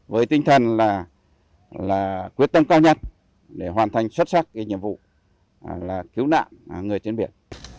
với tinh thần là quyết tâm cao nhất để hoàn thành xuất sắc cái nhiệm vụ là cứu nạn người trên biển